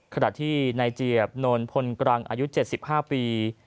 ขณะที่นายเจียบนพลกรังอายุ๗๕ปี